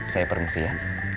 saya permisi ya